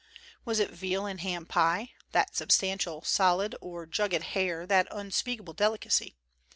Was it veal and ham pie, that substantial solid, or jugged hare, that unspeakable delicacy?